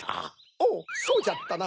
おっそうじゃったな。